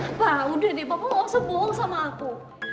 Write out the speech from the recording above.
apa udah deh papa gak usah bohong sama aku